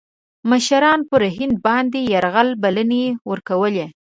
مشـرانو پر هند باندي د یرغل بلني ورکولې.